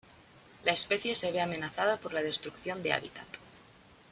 La especie se ve amenazada por la destrucción de hábitat.